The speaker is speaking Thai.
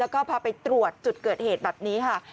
แล้วก็พาไปตรวจจุดเกิดเหตุแบบนี้ค่ะ